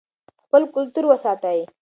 خپل کلتور وساتئ.